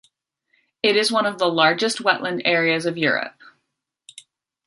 It is one of the largest wetland areas of Europe.